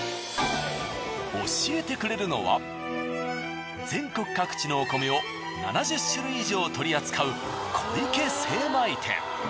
教えてくれるのは全国各地のお米を７０種類以上取り扱う小池精米店。